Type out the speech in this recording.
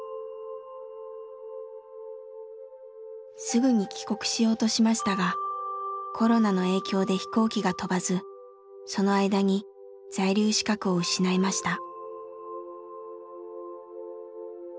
すぐに帰国しようとしましたがコロナの影響で飛行機が飛ばずその間に在留資格を失いました。